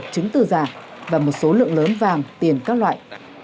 chứng từ giả và một số lượng lớn vàng tiền các loại